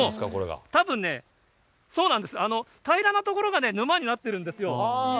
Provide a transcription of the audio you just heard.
たぶんね、平らな所が沼になってるんですよ。